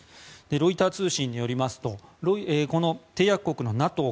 ロイター通信によりますとこの締約国のＮＡＴＯ